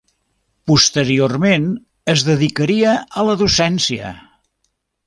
Posteriorment es dedicaria a la docència.